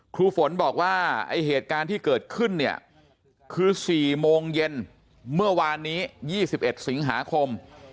ครูฝนบอกว่าไอ้เหตุการณ์ที่เกิดขึ้นเนี่ยคือ๔โมงเย็นเมื่อวานนี้๒๑สิงหาคม